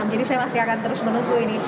jadi saya masih akan terus menunggu ini